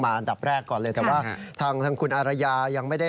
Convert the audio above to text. มาอันดับแรกก่อนเลยมั้ยคันแล้วทั่งทางคุณอารยัยังไม่ได้